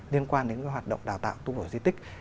liên quan đến cái hoạt động đào tạo tù bổ di tích